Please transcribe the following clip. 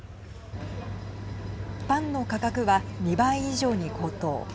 パンの価格は２倍以上に高騰。